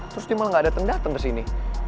terus dia malah gak ada tanda tanda sini